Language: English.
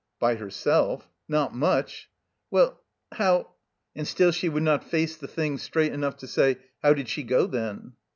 "By herself? Not much!" "Wen— how— " And still she would not face the thing straight enough to say, "How did she go, then?"